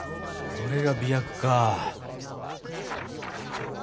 これが媚薬か。